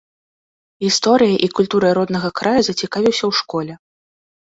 Гісторыяй і культурай роднага краю зацікавіўся ў школе.